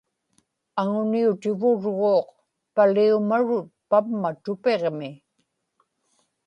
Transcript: aŋuniutivurguuq paliumarut pamma tupiġmi